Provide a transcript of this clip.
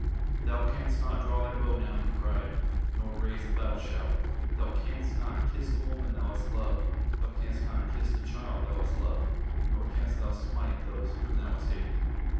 "Thou canst not draw thy bow now," he cried, "nor raise the battle shout. Thou canst not kiss the woman thou hast loved; thou canst not kiss the child thou hast loved, nor canst thou smite those whom thou hast hated."